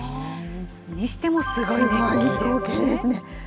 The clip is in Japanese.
にしてもすごいですね。